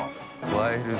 ワイルド。